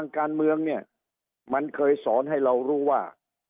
เขาเคยสอนให้เรารู้ว่า